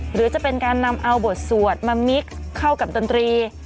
หรือจะเป็นการนำเอาบทสวดมามิกเข้ากับดนตรี